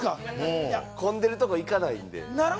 混んでるところに行かないんで。